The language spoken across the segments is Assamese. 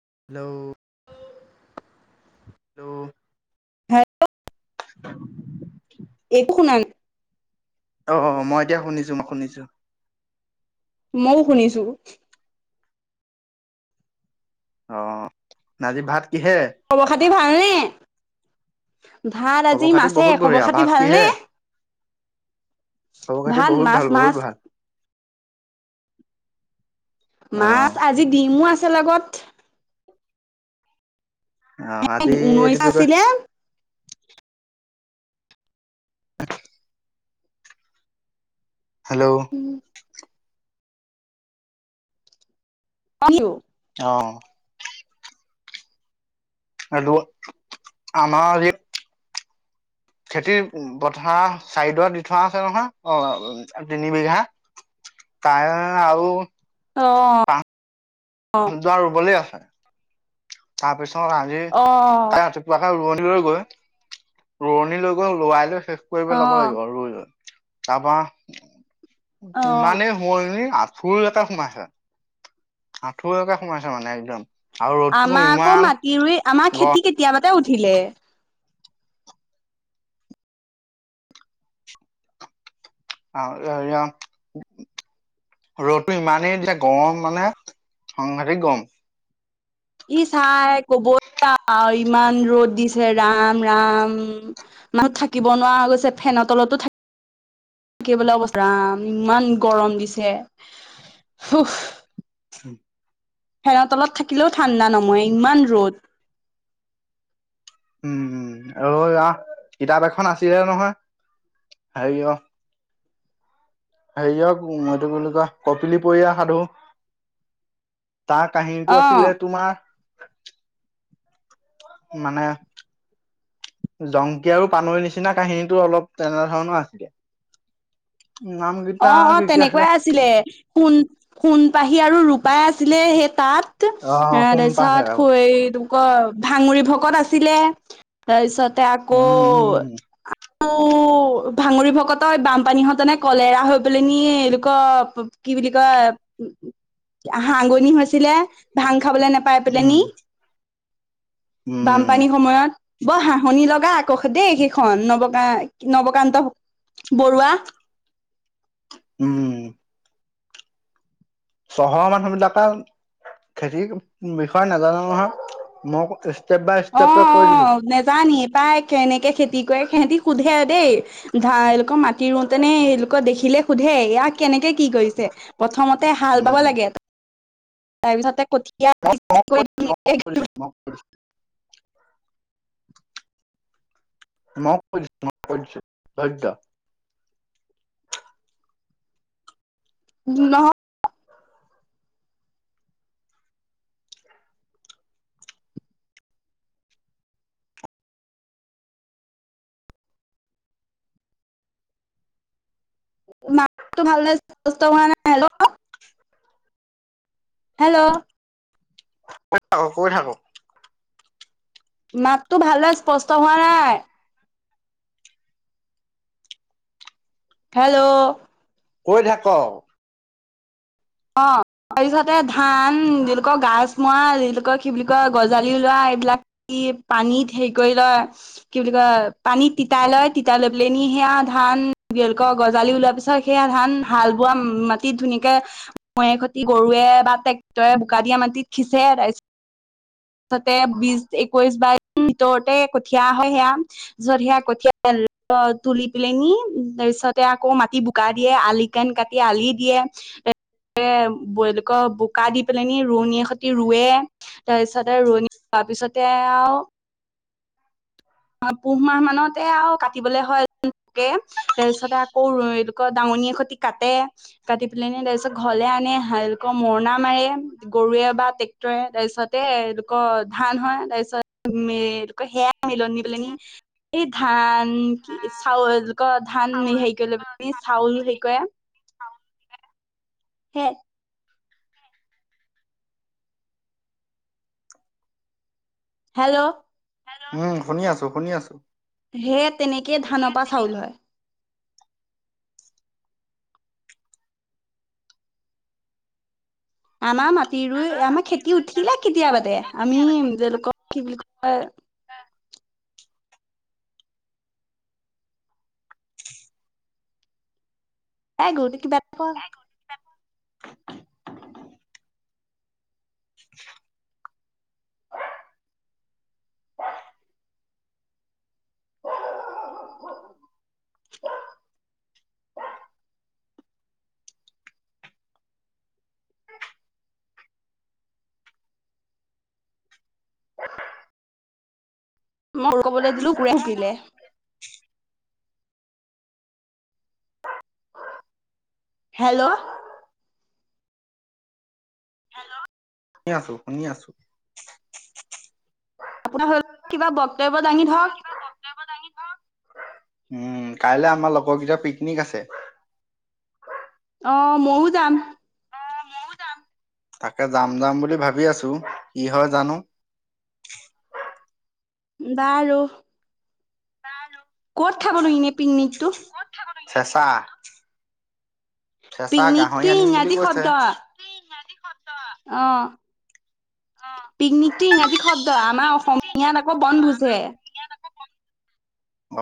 হেল্ল' হেল্ল' ভাল [inaudible] একো শুনা নাই অ মই এতিয়া শুনিছো মই শুনিছো মইও শুনিছো অ ন আজি ভাত কিহে খবৰ খাতি ভালনে ভাট আজি খবৰ খাতি মাছে বহুত খবৰ বঢ়িয়া খাতি ভাত ভালনে কিহে খবৰ খাতি ভাল বহুত মাছ বহুত মাছ ভাল অ মাছ আজি ডিমো আছে লগত অ আজি এইটো ঊনৈশ কি কয় আছিলে হেল্ল' কালো [unintelligible] অ আৰু আমাৰ এই খেতি পথাৰ চাইডৱা দি থোৱা আছে নহয় অ তিনি বিঘা [unintelligible] তাই আৰু অ যোৱাৰ ৰুবলে আছে তাৰপিছত আজি অ ত ৰাতিপুৱাকে ৰুৱনিলৈ গৈ ৰোৱণি লৈ গল লোৱাই লৈ শেষ কৰি অ পেলাব লাগিব তাৰপা অ [unintelligible] ইমানেই হ'ল নি আঁঠুৰ লেকে সোমাইছে আঁঠুৰ লেকে সোমাইছে মানে একদম [unintelligible] আমাৰ আকৌ ইমান মাটি ৰুই আমাৰ খেতি কেতিয়াবাতে উঠিলে অ [unintelligible] ৰ'দটো ইমানেই এতিয়া গৰম মানে সাংঘাতিক গৰম ই চাই কবই ইমান ৰ'দ দিছে ৰাম ৰাম মানুহ থাকিব নোৱাৰা গৈছে ফেনৰ তলতো থাক [inaudible] কেইবেলা অৱস্থা আম ইমান গৰম দিছে [inaudible] ফেনৰ তলত থাকিলেও ঠাণ্ডা নময় ইমান ৰ'দ উম আৰু অ কিতাপ এখন আছিলে নহয় হেৰি অ হেৰিয়ক মইটো বুলি কোৱা কপিলি পৰিয়া সাধু [unintelligible] তাৰ কাহিনীটো অ আছিলে তোমাৰ মানে জংকী আৰু পানৈ নিচিনা কাহিনীটো অলপ তেনেধৰণৰ আছিলে নামকেইটা অ অ কি কি তেনেকুৱাই আছিলে শুণ সোণ পাহি কি আৰু ৰূপাই আছিলে সেই তাত অ এ সোণ পাহে আৰু তাৰপিছত [unintelligible] ভাঙৰি ভকত আছিলে তাৰপিছতে আকৌ উম উম অ ভাঙৰি ভকতই বানপানী হতেনে কলেৰা হৈ পেল নি এইলোক কি বুলি কয় হাগনি হৈছিলে ভাং খাবলৈ নেপাই পেল উম নি উম উম বানপানীৰ সময়ত ব হাঁহনি লগা আকৌ দেই সেইখন নৱ গ নৱকান্ত বৰুৱা উম চহৰৰ মানুহ বিলাকে খেতি বি হয় নাজানো নহয় মই ষ্টেপ বাই অ ষ্টেপকে কৈ দিছো অ নেজানি পাই কেনেকে খেতি কৰে সিহঁতি সোধে আৰু দেই ধা এলোকৰ মাটি ৰুতে এওঁলোকৰ দেখিলে সোধে ইয়াক কেনেকে কি কৰিছে প্ৰথমতে হাল বাব লাগে তাৰ পিছতে কঠীয়া ম [unintelligible] নহয় ম ভাল হোৱা নাই হেল্ল [unintelligible] হেল্ল' কৈ থাকক কৈ থাকক। মাততো ভালদৰে স্পষ্ট হোৱা নাই। হেল্ল' কৈ থাকক অ তাৰপিছতে ধান যিলোকৰ গাজ মৰা যিলোকৰ কি বুলি কয় গজালি ওলাই [unintelligible] এইবিলাক পানীত হেৰি কৰি লয় কি বুলি কয় পানীত তিতাই লয় তিতাই লৈ পেল নি সেয়া ধান গজালি ওলোৱা পিছত সেয়া ধান হাল বোৱা মাটিত ধুনীয়াকে ময়ে খতি গৰুৱে বা ট্ৰেক্টৰে বোকা দিয়া মাটিত খিচছে তাৰপিছত ততে বিশ একৈশ বাৰ ভিতৰতে কঠিয়া হয় সেয়া যত সয়া কঠীয়া তেল তুলি পেল নি তাৰ পিছতে আকৌ মাটি বু [unintelligible] বুকা দিয়ে আলি কেন কি আলি দিয়ে [unintelligible] বোকা দি পেল নি ৰোৱনীৰ সৈতে ৰুৱে তাৰপিছতে ৰোৱনী ৰোৱাৰ পিছতে আৰু [unintelligible] অ পুহ মাহ মানতে আৰু কাটিবলে হয় কাতে তাৰ পিছতে আকৌ এওঁ লোকৰ দাঙনী এ খতি কাটে কাটি পেল তাৰপিছত ঘৰলে [unintelligible] এওঁলোকৰ মৰণা মাৰে গৰুৱে বা ট্ৰেক্টৰে তাৰপিছতেলোকৰ ধান হয় [unintelligible] তাৰপিছত সেয়া মিলন [unintelligible] এই ধান কি চালোক ধান হ গলে চাউল [unintelligible] সেই কয়ে [unintelligible] সে [unintelligible] হেল্ল' উম শুনি আছো শুনি আছো। হে তেনেকেই ধানৰ পৰা চাউল হয় আমাৰ মাটি ৰুই আমাৰ খেতি উঠিলে কেতিয়াবাতে আমি তেওঁলোকক কি বুলি কয় [unintelligible] [inaudible] এ গোটি কিবা খোৱা। [unintelligible] [unintelligible] [unintelligible] মই কবলৈ দিলো কুকুৰে ভুকিলে। হেল্ল'? শুনি আছো-শুনি আছো। আপোনাৰ হল কিবা বক্তব্য দাঙি ধৰক উম কাইলে আমাৰ লগৰকেইটাৰ পিকনিক আছে অ ময়ো যাম তাকে যাম যাম বুলি ভাবি আছো কি হয় জানো বাৰু ক'ত খাবনো এনে পিকনিকটো চেঁচা ফেঁচা পিকনিকটো গাহৰি আনিম বুলি ইংৰাজী কৈছে। শব্দ অ', পিকনিকটো ইংৰাজী শব্দ আমাৰ অসমীয়াত আকৌ বনভোজ হে।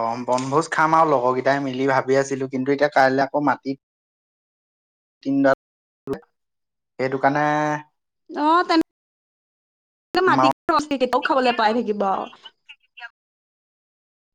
অ', বনভোজ খাম আৰু লগৰ কেইটাই মিলি ভাবি আছিলো কিন্তু এতিয়া কাইলে আকৌ মাটিত তিনি দৰা [inaudible] সেইটোকাৰণে অ', তেনে মা মাটিক খাবলে পাই থাকিব আও। [inaudible]